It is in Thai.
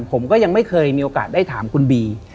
ผมก็ยังไม่เคยมีโอกาสได้ถามคุณบี